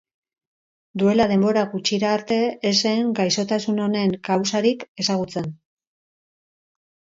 Duela denbora gutxira arte, ez zen gaixotasun honen kausarik ezagutzen.